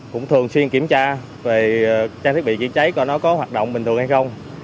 cũng thường xuyên kiểm tra về trang thiết bị chữa cháy coi nó có hoạt động bình thường hay không